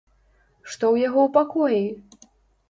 Што ў яго ў пакоі?